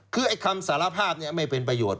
คือคำสารภาพนี้ไม่เป็นประโยชน์